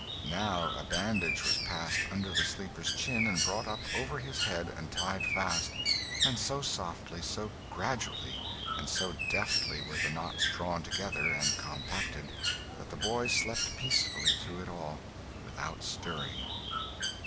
Now a bandage was passed under the sleeper's chin and brought up over his head and tied fast and so softly, so gradually, and so deftly were the knots drawn together and compacted, that the boy slept peacefully through it all without stirring.